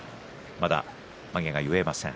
まだ、まげが結えません。